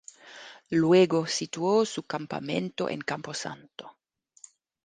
Luego situó su campamento en Campo Santo.